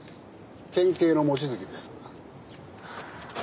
県警の望月です。